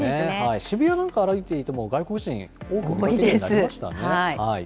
渋谷なんか歩いていても、外国人、多く見られるようになりましたね。